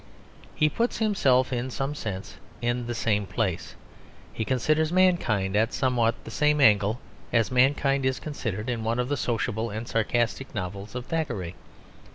He puts himself in some sense in the same place; he considers mankind at somewhat the same angle as mankind is considered in one of the sociable and sarcastic novels of Thackeray.